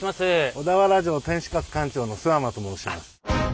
小田原城天守閣館長の諏訪間と申します。